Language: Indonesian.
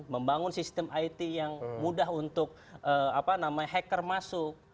membangun sistem it yang mudah untuk hacker masuk